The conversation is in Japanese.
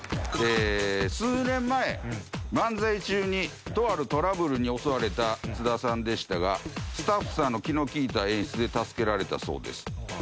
ええ数年前漫才中にとあるトラブルに襲われた津田さんでしたがスタッフさんの気の利いた演出で助けられたそうです。